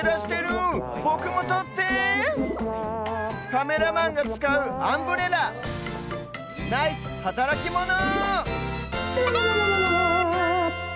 カメラマンがつかうアンブレラナイスはたらきモノ！